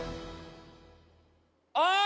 あ！